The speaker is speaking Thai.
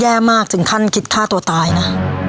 แย่มากถึงขั้นคิดฆ่าตัวตายนะ